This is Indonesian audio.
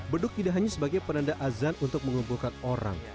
beduk tidak hanya sebagai penanda azan untuk mengumpulkan orang